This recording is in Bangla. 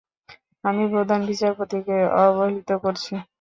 আমি প্রধান বিচারপতিকে অবহিত করছি।